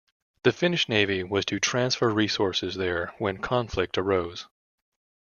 The Finnish Navy was to transfer resources there when conflict arose.